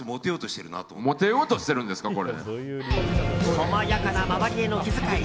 細やかな周りへの気遣い。